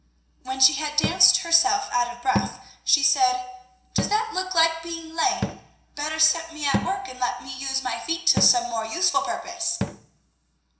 When she had danced herself out of breath she said, "Does that look like being lame? Better set me at work and let me use my feet to some more useful purpose!"